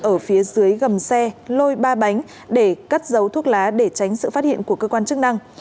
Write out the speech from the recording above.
ở phía dưới gầm xe lôi ba bánh để cất giấu thuốc lá để tránh sự phát hiện của cơ quan chức năng